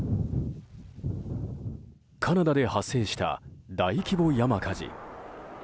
カナダで発生した大規模山火事。